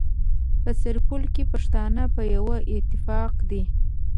په سرپل کي پښتانه په يوه اتفاق دي.